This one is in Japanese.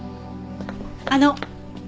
あの。